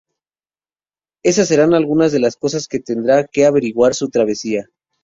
Esas serán algunas de las cosas que tendrá que averiguar en su travesía.